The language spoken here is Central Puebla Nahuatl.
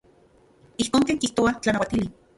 Ijkon ken kijtoa tlanauatili.